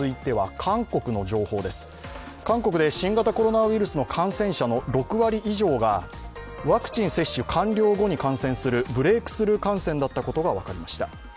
韓国で新型コロナウイルスの感染者の６割以上がワクチン接種完了後に感染するブレークスルー感染だったことが分かりました。